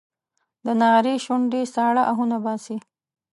د نغري شوندې ساړه اهونه باسي